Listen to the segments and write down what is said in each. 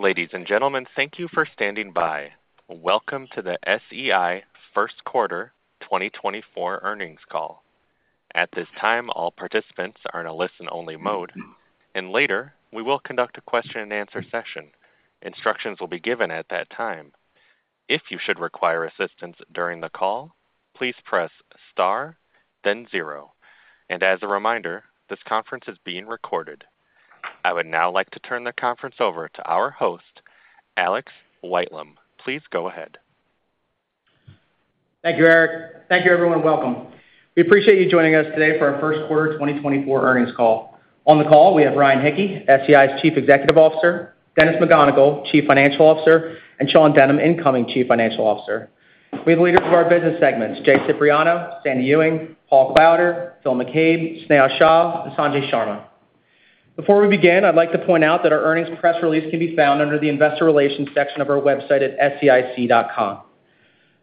Ladies and gentlemen, thank you for standing by. Welcome to the SEI First Quarter 2024 Earnings Call. At this time, all participants are in a listen-only mode, and later we will conduct a question-and-answer session. Instructions will be given at that time. If you should require assistance during the call, please press star, then zero. As a reminder, this conference is being recorded. I would now like to turn the conference over to our host, Alex Whitelam. Please go ahead. Thank you, Eric. Thank you, everyone. Welcome. We appreciate you joining us today for our First Quarter 2024 Earnings Call. On the call, we have Ryan Hicke, SEI's Chief Executive Officer, Dennis McGonigle, Chief Financial Officer, and Sean Denham, Incoming Chief Financial Officer. We have the leaders of our business segments, Jay Cipriano, Sandy Ewing, Paul Klauder, Phil McCabe, Sneha Shah, and Sanjay Sharma. Before we begin, I'd like to point out that our earnings press release can be found under the Investor Relations section of our website at seic.com.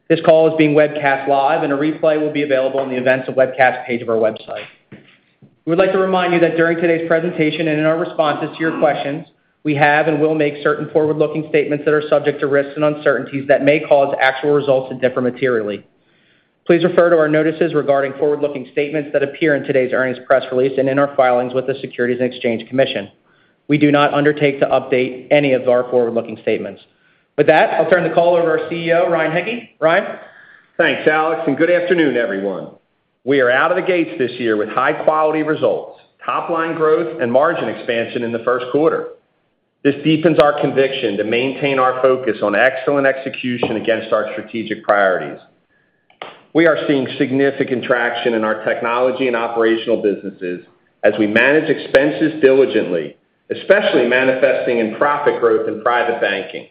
This call is being webcast live, and a replay will be available on the Events and Webcast page of our website. We would like to remind you that during today's presentation and in our responses to your questions, we have and will make certain forward-looking statements that are subject to risks and uncertainties that may cause actual results to differ materially. Please refer to our notices regarding forward-looking statements that appear in today's earnings press release and in our filings with the Securities and Exchange Commission. We do not undertake to update any of our forward-looking statements. With that, I'll turn the call over to our CEO, Ryan Hicke. Ryan? Thanks, Alex, and good afternoon, everyone. We are out of the gates this year with high-quality results, top-line growth, and margin expansion in the first quarter. This deepens our conviction to maintain our focus on excellent execution against our strategic priorities. We are seeing significant traction in our technology and operational businesses as we manage expenses diligently, especially manifesting in profit growth in private banking.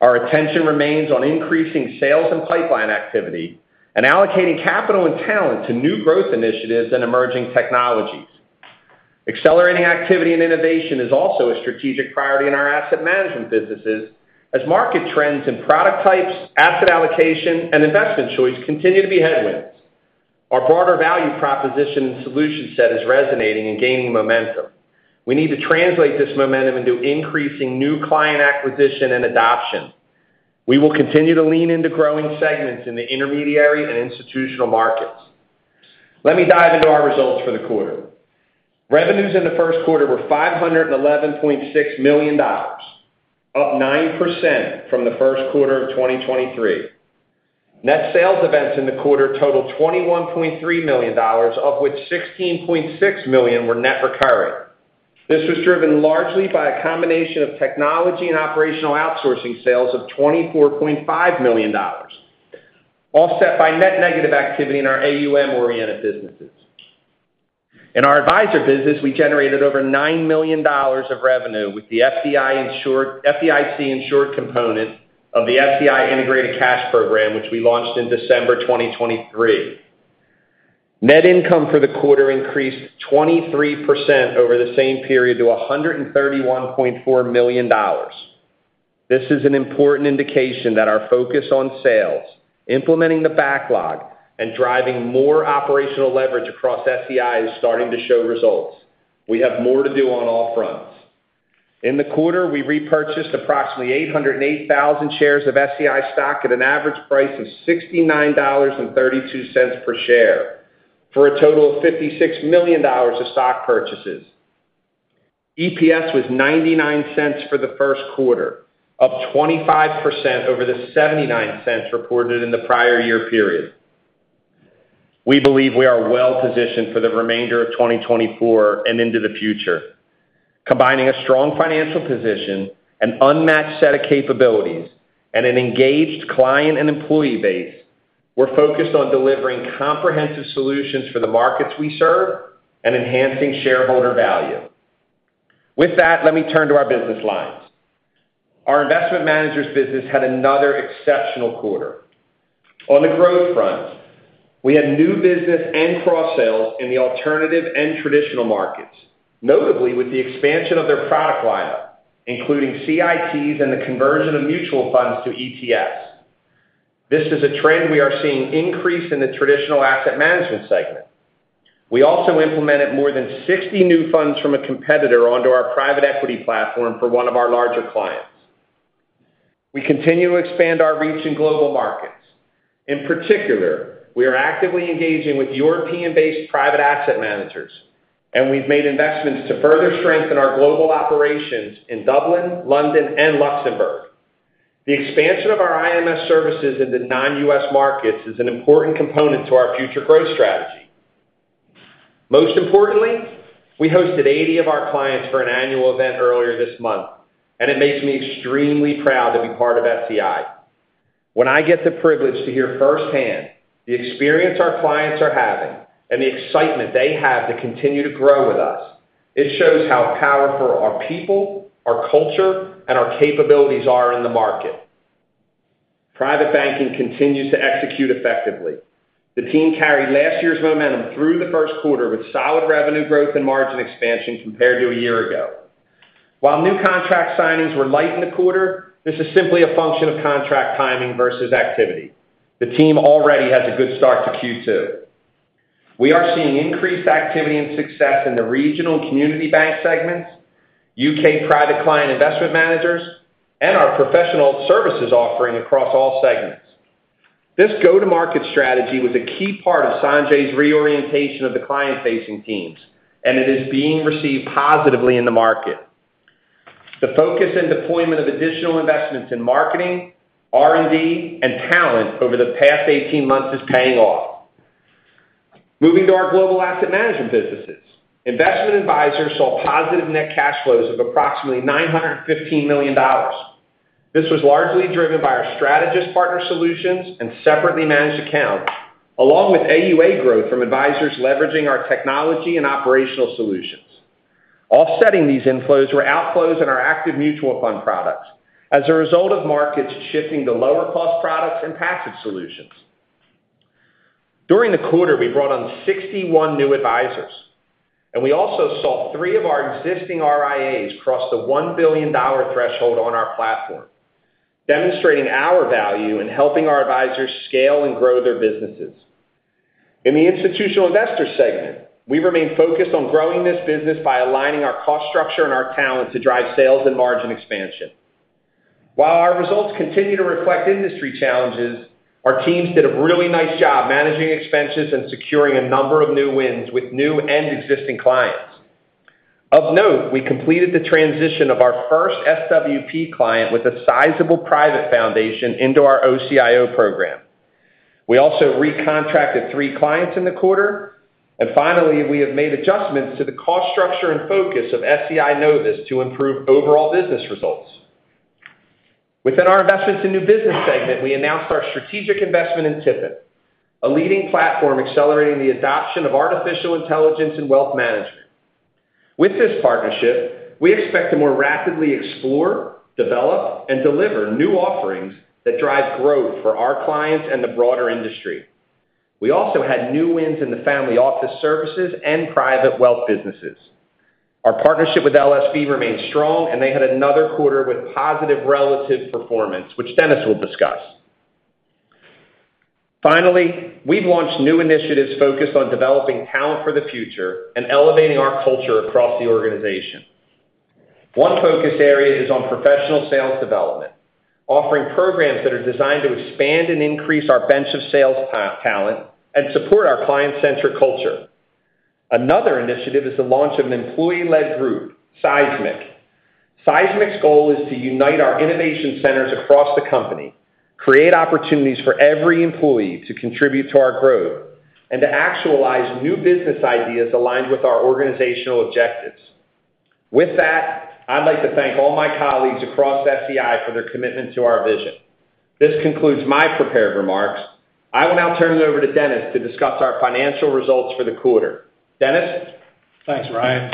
Our attention remains on increasing sales and pipeline activity and allocating capital and talent to new growth initiatives and emerging technologies. Accelerating activity and innovation is also a strategic priority in our asset management businesses as market trends in product types, asset allocation, and investment choice continue to be headwinds. Our broader value proposition and solution set is resonating and gaining momentum. We need to translate this momentum into increasing new client acquisition and adoption. We will continue to lean into growing segments in the intermediary and institutional markets. Let me dive into our results for the quarter. Revenues in the first quarter were $511.6 million, up 9% from the first quarter of 2023. Net sales events in the quarter totaled $21.3 million, of which $16.6 million were net recurring. This was driven largely by a combination of technology and operational outsourcing sales of $24.5 million, offset by net negative activity in our AUM-oriented businesses. In our advisor business, we generated over $9 million of revenue with the FDIC-insured component of the FDIC Integrated Cash Program, which we launched in December 2023. Net income for the quarter increased 23% over the same period to $131.4 million. This is an important indication that our focus on sales, implementing the backlog, and driving more operational leverage across SEI is starting to show results. We have more to do on all fronts. In the quarter, we repurchased approximately 808,000 shares of SEI stock at an average price of $69.32 per share, for a total of $56 million of stock purchases. EPS was $0.99 for the first quarter, up 25% over the $0.79 reported in the prior year period. We believe we are well positioned for the remainder of 2024 and into the future. Combining a strong financial position, an unmatched set of capabilities, and an engaged client and employee base, we're focused on delivering comprehensive solutions for the markets we serve and enhancing shareholder value. With that, let me turn to our business lines. Our investment managers' business had another exceptional quarter. On the growth front, we had new business and cross-sales in the alternative and traditional markets, notably with the expansion of their product lineup, including CITs and the conversion of mutual funds to ETFs. This is a trend we are seeing increase in the traditional asset management segment. We also implemented more than 60 new funds from a competitor onto our private equity platform for one of our larger clients. We continue to expand our reach in global markets. In particular, we are actively engaging with European-based private asset managers, and we've made investments to further strengthen our global operations in Dublin, London, and Luxembourg. The expansion of our IMS services into non-US markets is an important component to our future growth strategy. Most importantly, we hosted 80 of our clients for an annual event earlier this month, and it makes me extremely proud to be part of SEI. When I get the privilege to hear firsthand the experience our clients are having and the excitement they have to continue to grow with us, it shows how powerful our people, our culture, and our capabilities are in the market. Private banking continues to execute effectively. The team carried last year's momentum through the first quarter with solid revenue growth and margin expansion compared to a year ago. While new contract signings were light in the quarter, this is simply a function of contract timing versus activity. The team already has a good start to Q2. We are seeing increased activity and success in the regional and community bank segments, U.K. private client investment managers, and our professional services offering across all segments. This go-to-market strategy was a key part of Sanjay's reorientation of the client-facing teams, and it is being received positively in the market. The focus and deployment of additional investments in marketing, R&D, and talent over the past 18 months is paying off. Moving to our global asset management businesses, investment advisors saw positive net cash flows of approximately $915 million. This was largely driven by our Strategist Partner Solutions and separately managed accounts, along with AUA growth from advisors leveraging our technology and operational solutions. Offsetting these inflows were outflows in our active mutual fund products as a result of markets shifting to lower-cost products and passive solutions. During the quarter, we brought on 61 new advisors. We also saw 3 of our existing RIAs cross the $1 billion threshold on our platform, demonstrating our value and helping our advisors scale and grow their businesses. In the institutional investor segment, we remain focused on growing this business by aligning our cost structure and our talent to drive sales and margin expansion. While our results continue to reflect industry challenges, our teams did a really nice job managing expenses and securing a number of new wins with new and existing clients. Of note, we completed the transition of our first SWP client with a sizable private foundation into our OCIO program. We also recontracted three clients in the quarter. Finally, we have made adjustments to the cost structure and focus of SEI Novus to improve overall business results. Within our investments in new business segment, we announced our strategic investment in TIFIN, a leading platform accelerating the adoption of artificial intelligence in wealth management. With this partnership, we expect to more rapidly explore, develop, and deliver new offerings that drive growth for our clients and the broader industry. We also had new wins in the family office services and private wealth businesses. Our partnership with LSV remains strong, and they had another quarter with positive relative performance, which Dennis will discuss. Finally, we've launched new initiatives focused on developing talent for the future and elevating our culture across the organization. One focus area is on professional sales development, offering programs that are designed to expand and increase our bench of sales talent and support our client-centered culture. Another initiative is the launch of an employee-led group, SEIsmic. SEIsmic's goal is to unite our innovation centers across the company, create opportunities for every employee to contribute to our growth, and to actualize new business ideas aligned with our organizational objectives. With that, I'd like to thank all my colleagues across SEI for their commitment to our vision. This concludes my prepared remarks. I will now turn it over to Dennis to discuss our financial results for the quarter. Dennis? Thanks, Ryan.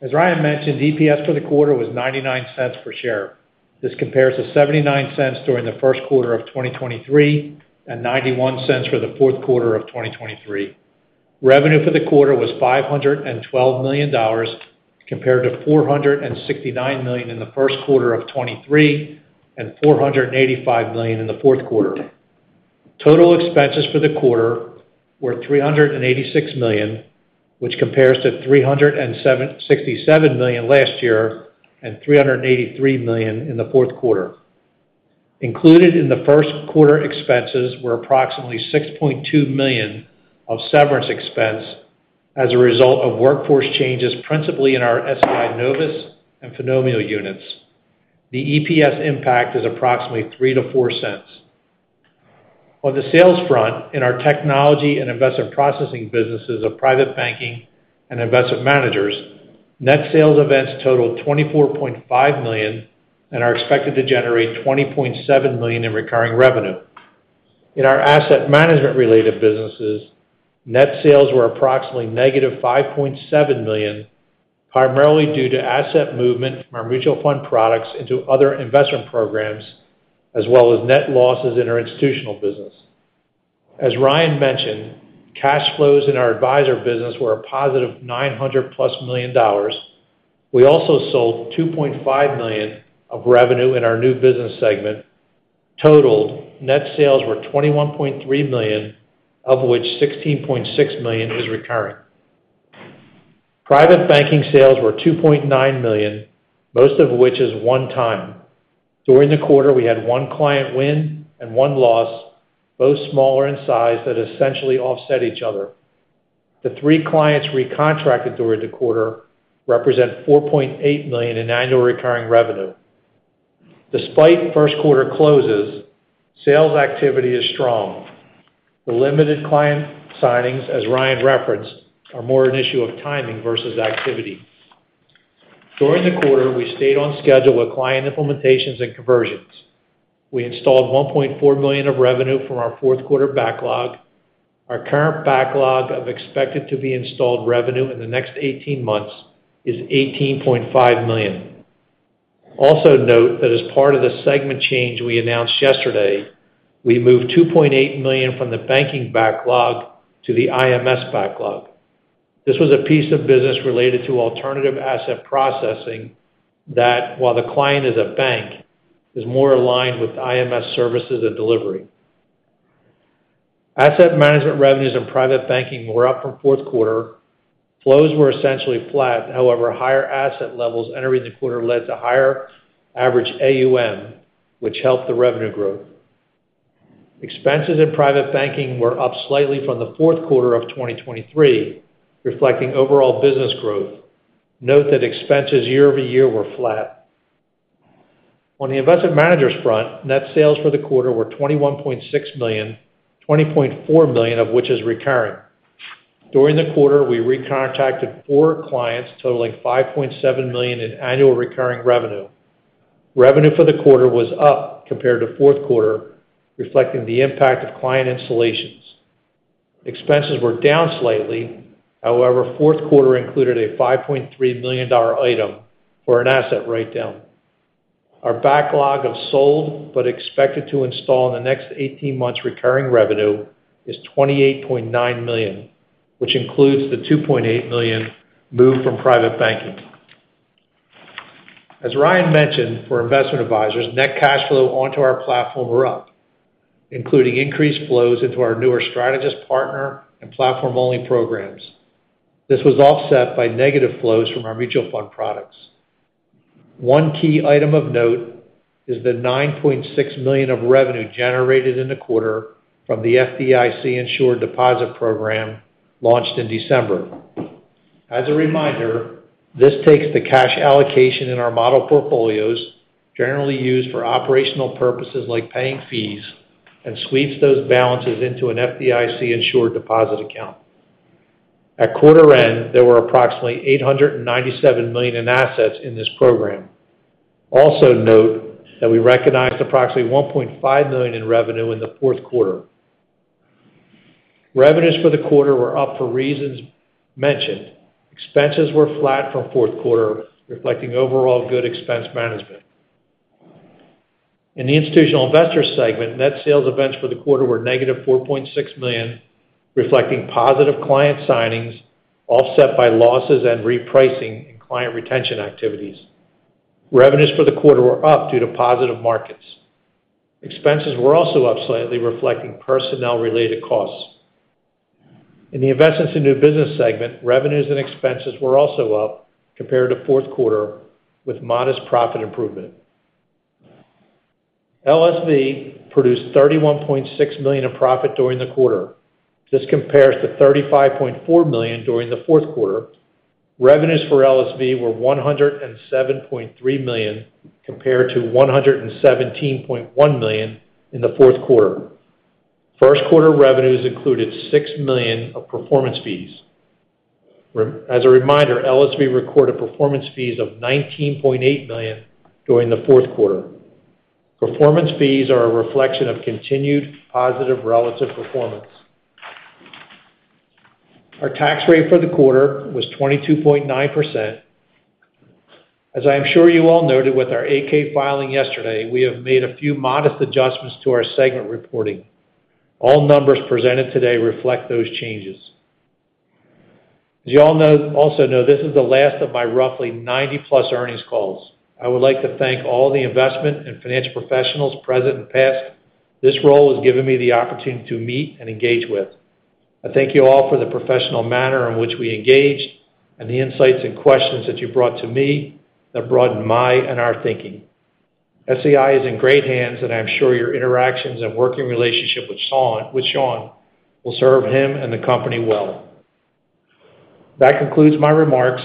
As Ryan mentioned, EPS for the quarter was $0.99 per share. This compares to $0.79 during the first quarter of 2023 and $0.91 for the fourth quarter of 2023. Revenue for the quarter was $512 million compared to $469 million in the first quarter of 2023 and $485 million in the fourth quarter. Total expenses for the quarter were $386 million, which compares to $367 million last year and $383 million in the fourth quarter. Included in the first quarter expenses were approximately $6.2 million of severance expense as a result of workforce changes principally in our SEI Novus and platform units. The EPS impact is approximately $0.03-$0.04. On the sales front, in our technology and investment processing businesses of private banking and investment managers, net sales events totaled $24.5 million and are expected to generate $20.7 million in recurring revenue. In our asset management-related businesses, net sales were approximately -$5.7 million, primarily due to asset movement from our mutual fund products into other investment programs as well as net losses in our institutional business. As Ryan mentioned, cash flows in our advisor business were a positive $900+ million. We also sold $2.5 million of revenue in our new business segment. Totaled, net sales were $21.3 million, of which $16.6 million is recurring. Private banking sales were $2.9 million, most of which is one-time. During the quarter, we had one client win and one loss, both smaller in size than essentially offset each other. The three clients recontracted during the quarter represent $4.8 million in annual recurring revenue. Despite first quarter closes, sales activity is strong. The limited client signings, as Ryan referenced, are more an issue of timing versus activity. During the quarter, we stayed on schedule with client implementations and conversions. We installed $1.4 million of revenue from our fourth quarter backlog. Our current backlog of expected-to-be-installed revenue in the next 18 months is $18.5 million. Also note that as part of the segment change we announced yesterday, we moved $2.8 million from the banking backlog to the IMS backlog. This was a piece of business related to alternative asset processing that, while the client is a bank, is more aligned with IMS services and delivery. Asset management revenues in private banking were up from fourth quarter. Flows were essentially flat. However, higher asset levels entering the quarter led to higher average AUM, which helped the revenue growth. Expenses in private banking were up slightly from the fourth quarter of 2023, reflecting overall business growth. Note that expenses year-over-year were flat. On the investment managers' front, net sales for the quarter were $21.6 million, $20.4 million of which is recurring. During the quarter, we recontracted four clients totaling $5.7 million in annual recurring revenue. Revenue for the quarter was up compared to fourth quarter, reflecting the impact of client installations. Expenses were down slightly. However, fourth quarter included a $5.3 million item for an asset write-down. Our backlog of sold but expected-to-install in the next 18 months recurring revenue is $28.9 million, which includes the $2.8 million moved from private banking. As Ryan mentioned, for investment advisors, net cash flow onto our platform were up, including increased flows into our newer Strategist Partner and platform-only programs. This was offset by negative flows from our mutual fund products. One key item of note is the $9.6 million of revenue generated in the quarter from the FDIC-insured deposit program launched in December. As a reminder, this takes the cash allocation in our model portfolios, generally used for operational purposes like paying fees, and sweeps those balances into an FDIC-insured deposit account. At quarter end, there were approximately $897 million in assets in this program. Also note that we recognized approximately $1.5 million in revenue in the fourth quarter. Revenues for the quarter were up for reasons mentioned. Expenses were flat from fourth quarter, reflecting overall good expense management. In the institutional investors' segment, net sales events for the quarter were -$4.6 million, reflecting positive client signings, offset by losses and repricing in client retention activities. Revenues for the quarter were up due to positive markets. Expenses were also up slightly, reflecting personnel-related costs. In the investments in new business segment, revenues and expenses were also up compared to fourth quarter, with modest profit improvement. LSV produced $31.6 million in profit during the quarter. This compares to $35.4 million during the fourth quarter. Revenues for LSV were $107.3 million compared to $117.1 million in the fourth quarter. First quarter revenues included $6 million of performance fees. As a reminder, LSV recorded performance fees of $19.8 million during the fourth quarter. Performance fees are a reflection of continued positive relative performance. Our tax rate for the quarter was 22.9%. As I am sure you all noted, with our 10-K filing yesterday, we have made a few modest adjustments to our segment reporting. All numbers presented today reflect those changes. As you all also know, this is the last of my roughly 90+ earnings calls. I would like to thank all the investment and financial professionals present and past; this role has given me the opportunity to meet and engage with. I thank you all for the professional manner in which we engaged and the insights and questions that you brought to me that broadened my and our thinking. SEI is in great hands, and I am sure your interactions and working relationship with Sean will serve him and the company well. That concludes my remarks.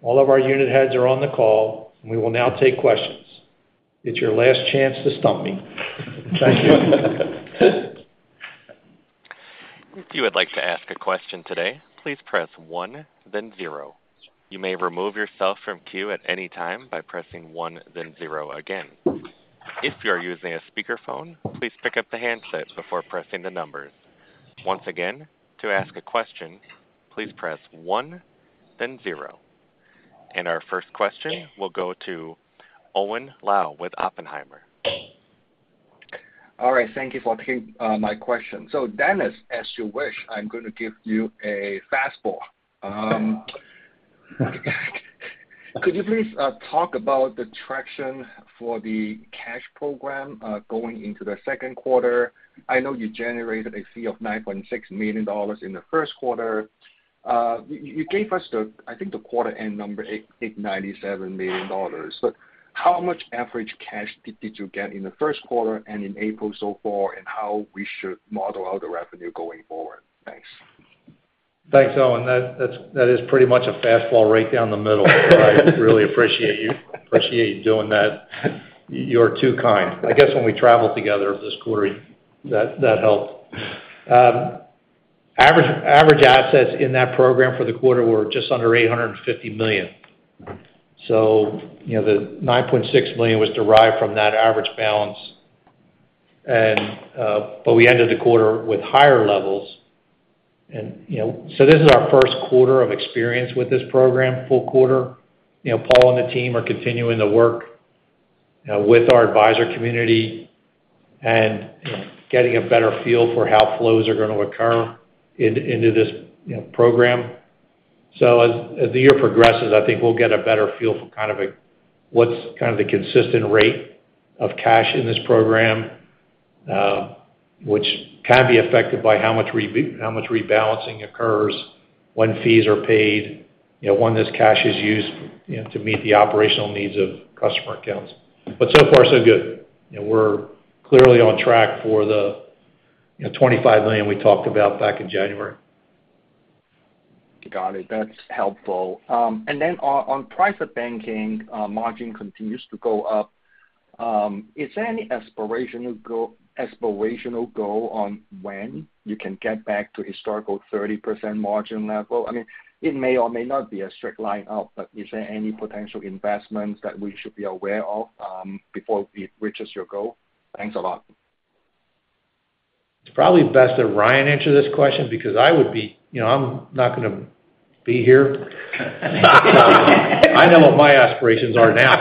All of our unit heads are on the call, and we will now take questions. It's your last chance to stump me. Thank you. If you would like to ask a question today, please press one, then zero. You may remove yourself from queue at any time by pressing one, then zero again. If you are using a speakerphone, please pick up the handset before pressing the numbers. Once again, to ask a question, please press one, then zero. Our first question will go to Owen Lau with Oppenheimer. All right. Thank you for taking my question. So Dennis, as you wish, I'm going to give you a fastball. Could you please talk about the traction for the cash program going into the second quarter? I know you generated a fee of $9.6 million in the first quarter. You gave us the quarter-end number, $897 million. But how much average cash did you get in the first quarter and in April so far, and how we should model out the revenue going forward? Thanks. Thanks, Owen. That is pretty much a fastball right down the middle. I really appreciate you doing that. You are too kind. I guess when we travel together this quarter, that helped. Average assets in that program for the quarter were just under $850 million. So the $9.6 million was derived from that average balance. But we ended the quarter with higher levels. So this is our first quarter of experience with this program, full quarter. Paul and the team are continuing to work with our advisor community and getting a better feel for how flows are going to occur into this program. As the year progresses, I think we'll get a better feel for kind of what's kind of the consistent rate of cash in this program, which can be affected by how much rebalancing occurs when fees are paid, when this cash is used to meet the operational needs of customer accounts. But so far, so good. We're clearly on track for the $25 million we talked about back in January. Got it. That's helpful. Then on private banking, margin continues to go up. Is there any aspirational goal on when you can get back to historical 30% margin level? I mean, it may or may not be a straight line up, but is there any potential investments that we should be aware of before it reaches your goal? Thanks a lot. It's probably best that Ryan answer this question because I would be, I'm not going to be here. I know what my aspirations are now.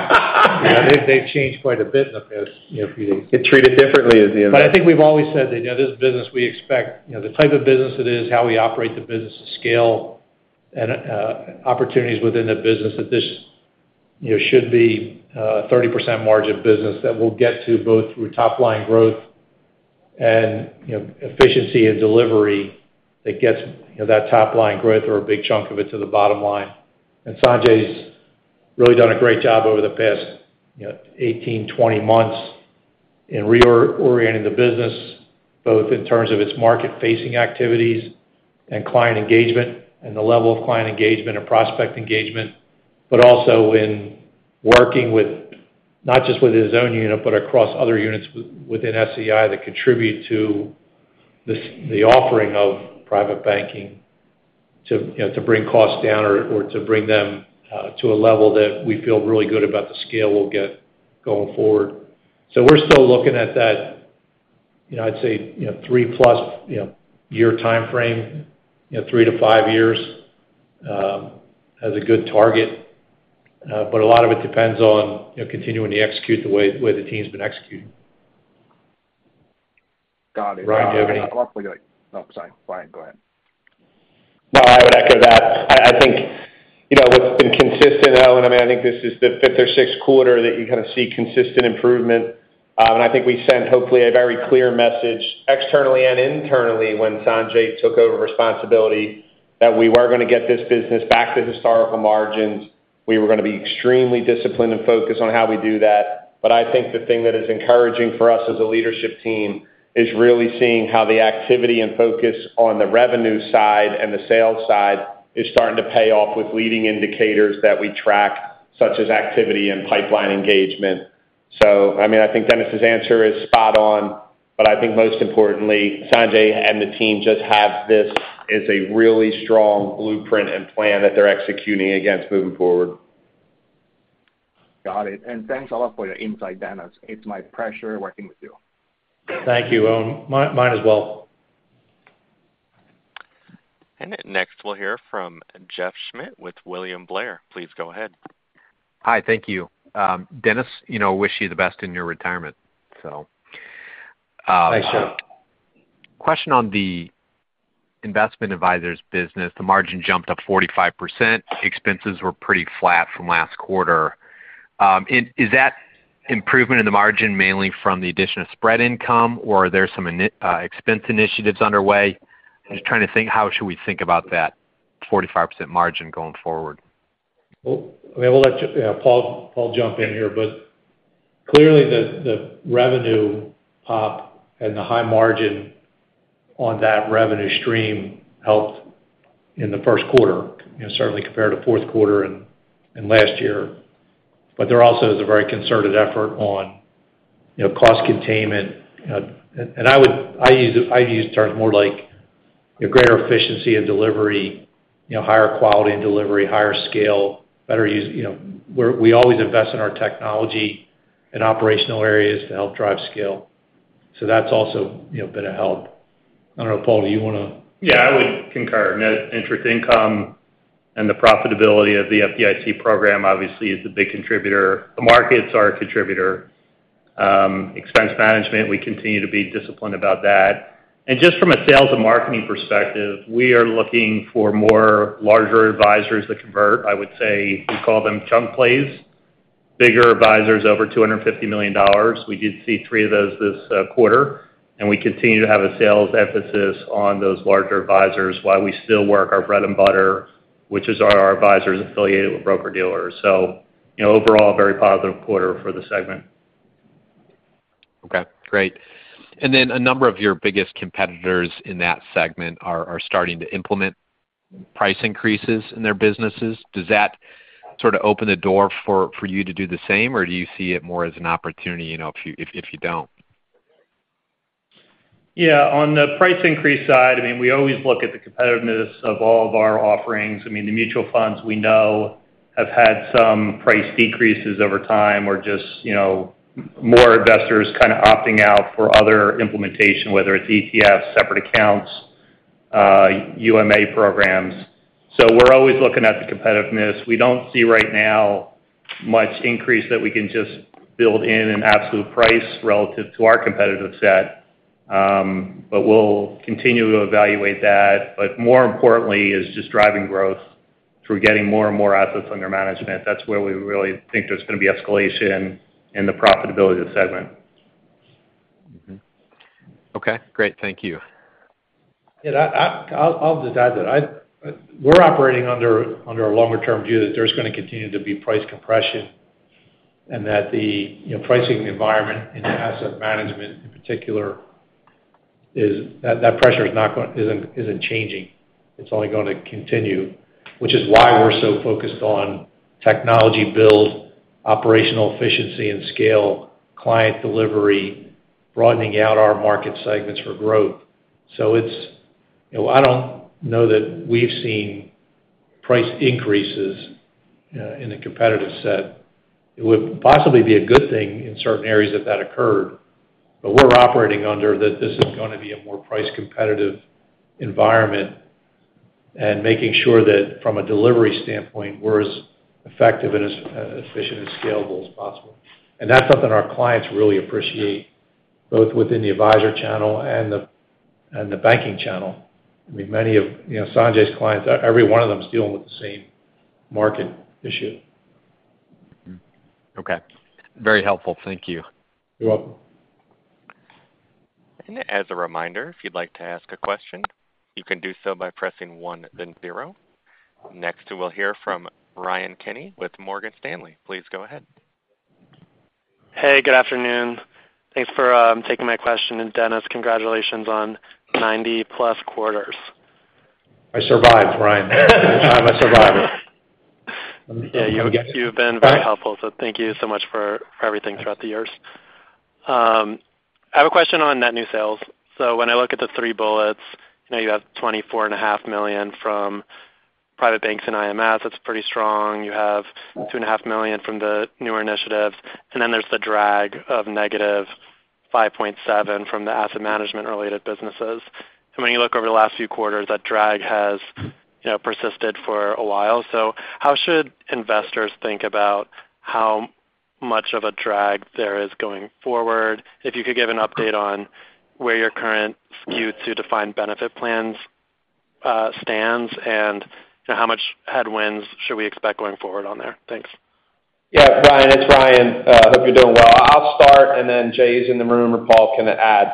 They've changed quite a bit in the past few days. Get treated differently as the investors. But I think we've always said that this business, we expect the type of business it is, how we operate the business to scale, and opportunities within the business that this should be a 30% margin business that we'll get to both through top-line growth and efficiency and delivery that gets that top-line growth or a big chunk of it to the bottom line. Sanjay's really done a great job over the past 18, 20 months in reorienting the business, both in terms of its market-facing activities and client engagement and the level of client engagement and prospect engagement, but also in working not just with his own unit, but across other units within SEI that contribute to the offering of private banking to bring costs down or to bring them to a level that we feel really good about the scale we'll get going forward. We're still looking at that, I'd say, 3+-year time frame, 3-5 years as a good target. A lot of it depends on continuing to execute the way the team's been executing. Got it. Ryan, do you have any? I'll probably do it. No, sorry. Ryan, go ahead. No, I would echo that. I think what's been consistent, Owen, I mean, I think this is the fifth or sixth quarter that you kind of see consistent improvement. I think we sent, hopefully, a very clear message externally and internally when Sanjay took over responsibility that we were going to get this business back to historical margins. We were going to be extremely disciplined and focused on how we do that. I think the thing that is encouraging for us as a leadership team is really seeing how the activity and focus on the revenue side and the sales side is starting to pay off with leading indicators that we track, such as activity and pipeline engagement. I mean, I think Dennis's answer is spot on. But I think most importantly, Sanjay and the team just have this as a really strong blueprint and plan that they're executing against moving forward. Got it. Thanks a lot for your insight, Dennis. It's my pleasure working with you. Thank you, Owen. Me as well. Next, we'll hear from Jeff Schmitz with William Blair. Please go ahead. Hi. Thank you. Dennis, I wish you the best in your retirement, so. Thanks, Jeff. Question on the investment advisors' business. The margin jumped up 45%. Expenses were pretty flat from last quarter. Is that improvement in the margin mainly from the addition of spread income, or are there some expense initiatives underway? I'm just trying to think, how should we think about that 45% margin going forward? Well, I mean, I'll let Paul jump in here. But clearly, the revenue pop and the high margin on that revenue stream helped in the first quarter, certainly compared to fourth quarter and last year. But there also is a very concerted effort on cost containment. And I'd use terms more like greater efficiency and delivery, higher quality and delivery, higher scale, better use. We always invest in our technology and operational areas to help drive scale. So that's also been a help. I don't know, Paul, do you want to? Yeah, I would concur. Net interest income and the profitability of the FDIC program, obviously, is the big contributor. The markets are a contributor. Expense management, we continue to be disciplined about that. And just from a sales and marketing perspective, we are looking for larger advisors that convert. I would say we call them chunk plays, bigger advisors over $250 million. We did see three of those this quarter. And we continue to have a sales emphasis on those larger advisors while we still work our bread and butter, which is our advisors affiliated with broker-dealers. So overall, a very positive quarter for the segment. Okay. Great. And then a number of your biggest competitors in that segment are starting to implement price increases in their businesses. Does that sort of open the door for you to do the same, or do you see it more as an opportunity if you don't? Yeah. On the price increase side, I mean, we always look at the competitiveness of all of our offerings. I mean, the mutual funds, we know have had some price decreases over time or just more investors kind of opting out for other implementation, whether it's ETFs, separate accounts, UMA programs. So we're always looking at the competitiveness. We don't see right now much increase that we can just build in an absolute price relative to our competitive set. But we'll continue to evaluate that. But more importantly, is just driving growth through getting more and more assets under management. That's where we really think there's going to be escalation in the profitability of the segment. Okay. Great. Thank you. Yeah. I'll just add that we're operating under a longer-term view that there's going to continue to be price compression and that the pricing environment and asset management, in particular, that pressure isn't changing. It's only going to continue, which is why we're so focused on technology build, operational efficiency and scale, client delivery, broadening out our market segments for growth. So I don't know that we've seen price increases in the competitive set. It would possibly be a good thing in certain areas if that occurred. But we're operating under that this is going to be a more price-competitive environment and making sure that, from a delivery standpoint, we're as effective and as efficient and scalable as possible. And that's something our clients really appreciate, both within the advisor channel and the banking channel. I mean, many of Sanjay's clients, every one of them's dealing with the same market issue. Okay. Very helpful. Thank you. You're welcome. As a reminder, if you'd like to ask a question, you can do so by pressing 1, then 0. Next, we'll hear from Ryan Kenney with Morgan Stanley. Please go ahead. Hey. Good afternoon. Thanks for taking my question. Dennis, congratulations on 90+ quarters. I survived, Ryan. I survived. Yeah. You've been very helpful. So thank you so much for everything throughout the years. I have a question on net new sales. So when I look at the three bullets, you have $24.5 million from private banks and IMS. That's pretty strong. You have $2.5 million from the newer initiatives. And then there's the drag of -$5.7 million from the asset management-related businesses. And when you look over the last few quarters, that drag has persisted for a while. So how should investors think about how much of a drag there is going forward? If you could give an update on where your current shift to defined benefit plans stands and how much headwinds should we expect going forward on there. Thanks. Yeah. Ryan, it's Ryan. Hope you're doing well. I'll start, and then Jay's in the room, or Paul can add.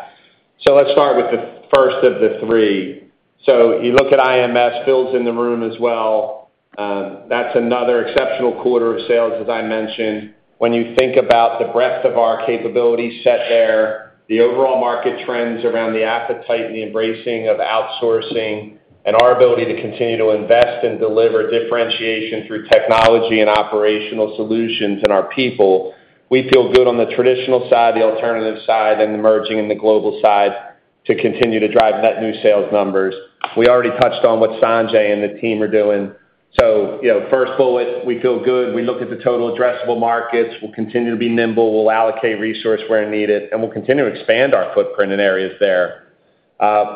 Let's start with the first of the three. You look at IMS. Phil's in the room as well. That's another exceptional quarter of sales, as I mentioned. When you think about the breadth of our capabilities set there, the overall market trends around the appetite and the embracing of outsourcing and our ability to continue to invest and deliver differentiation through technology and operational solutions and our people, we feel good on the traditional side, the alternative side, and the emerging and the global side to continue to drive net new sales numbers. We already touched on what Sanjay and the team are doing. First bullet, we feel good. We look at the total addressable markets. We'll continue to be nimble. We'll allocate resource where needed, and we'll continue to expand our footprint in areas there.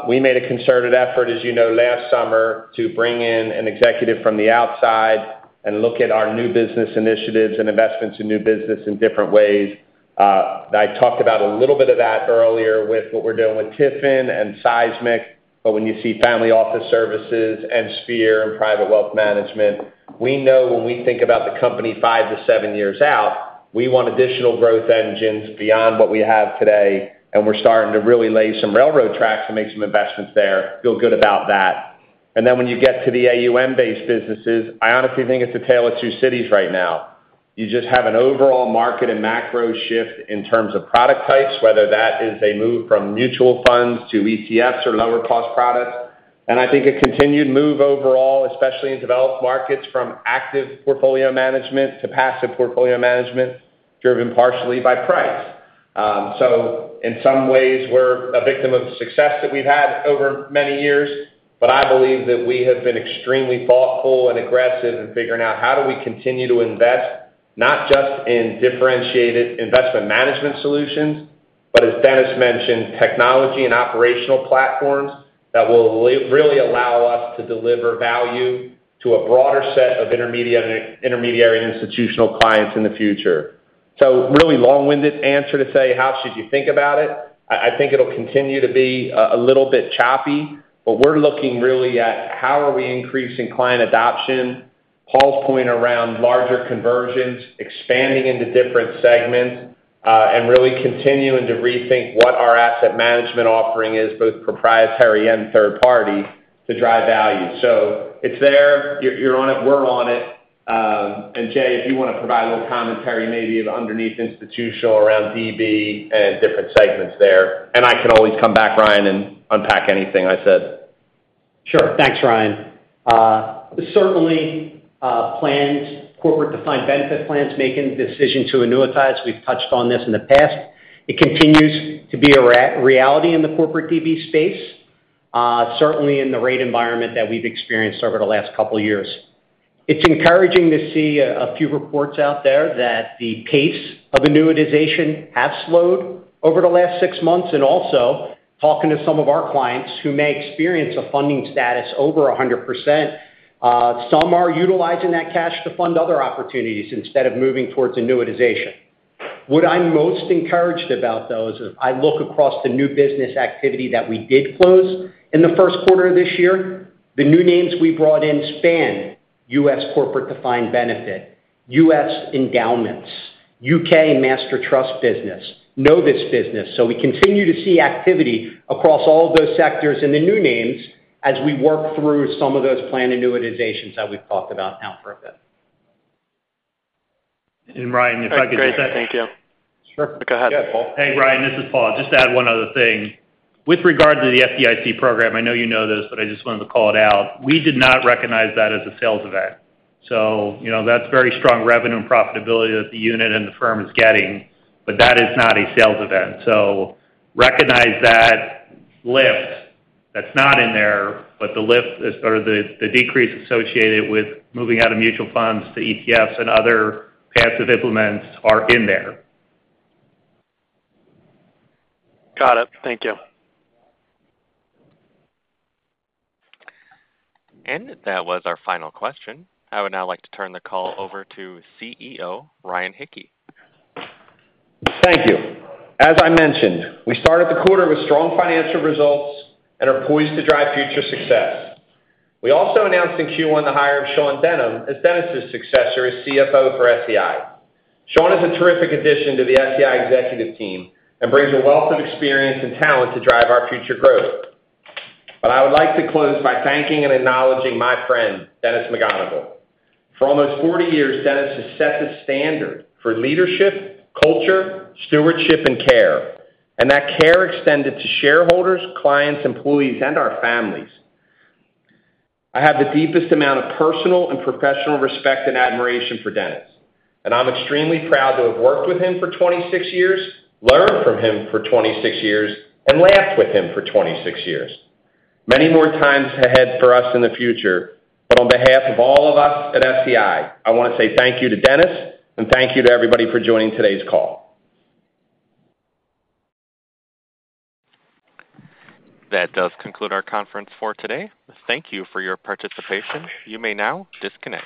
We made a concerted effort, as you know, last summer to bring in an executive from the outside and look at our new business initiatives and investments in new business in different ways. I talked about a little bit of that earlier with what we're doing with TIFIN and SEIsmic. But when you see family office services and Sphere and private wealth management, we know when we think about the company five to seven years out, we want additional growth engines beyond what we have today. And we're starting to really lay some railroad tracks and make some investments there, feel good about that. And then when you get to the AUM-based businesses, I honestly think it's a tale of two cities right now. You just have an overall market and macro shift in terms of product types, whether that is a move from mutual funds to ETFs or lower-cost products. And I think a continued move overall, especially in developed markets, from active portfolio management to passive portfolio management, driven partially by price. So in some ways, we're a victim of the success that we've had over many years. But I believe that we have been extremely thoughtful and aggressive in figuring out, how do we continue to invest not just in differentiated investment management solutions, but, as Dennis mentioned, technology and operational platforms that will really allow us to deliver value to a broader set of intermediary and institutional clients in the future? So really long-winded answer to say, how should you think about it? I think it'll continue to be a little bit choppy. But we're looking really at how we are increasing client adoption. Paul's point around larger conversions, expanding into different segments, and really continuing to rethink what our asset management offering is, both proprietary and third-party, to drive value. So it's there. You're on it. We're on it. And Jay, if you want to provide a little commentary, maybe underneath institutional around DB and different segments there. And I can always come back, Ryan, and unpack anything I said. Sure. Thanks, Ryan. Certainly, planned corporate-defined benefit plans making the decision to annuitize. We've touched on this in the past. It continues to be a reality in the corporate DB space, certainly in the rate environment that we've experienced over the last couple of years. It's encouraging to see a few reports out there that the pace of annuitization has slowed over the last six months. Also, talking to some of our clients who may experience a funding status over 100%, some are utilizing that cash to fund other opportunities instead of moving towards annuitization. What I'm most encouraged about, though, is if I look across the new business activity that we did close in the first quarter of this year, the new names we brought in spanned U.S. corporate-defined benefit, U.S. endowments, U.K. master trust business, not-for-profit business. We continue to see activity across all of those sectors and the new names as we work through some of those planned annuitizations that we've talked about now for a bit. And Ryan, if I could just. Go ahead. Hey, Ryan. This is Paul. Just to add one other thing. With regard to the FDIC program, I know you know this, but I just wanted to call it out. We did not recognize that as a sales event. So that's very strong revenue and profitability that the unit and the firm is getting. But that is not a sales event. So recognize that lift. That's not in there. But the lift or the decrease associated with moving out of mutual funds to ETFs and other passive implements are in there. Got it. Thank you. That was our final question. I would now like to turn the call over to CEO Ryan Hicke. Thank you. As I mentioned, we started the quarter with strong financial results and are poised to drive future success. We also announced in Q1 the hire of Sean Denham as Dennis's successor as CFO for SEI. Sean is a terrific addition to the SEI executive team and brings a wealth of experience and talent to drive our future growth. But I would like to close by thanking and acknowledging my friend, Dennis McGonigle. For almost 40 years, Dennis has set the standard for leadership, culture, stewardship, and care. And that care extended to shareholders, clients, employees, and our families. I have the deepest amount of personal and professional respect and admiration for Dennis. And I'm extremely proud to have worked with him for 26 years, learned from him for 26 years, and laughed with him for 26 years. Many more times ahead for us in the future. On behalf of all of us at SEI, I want to say thank you to Dennis and thank you to everybody for joining today's call. That does conclude our conference for today. Thank you for your participation. You may now disconnect.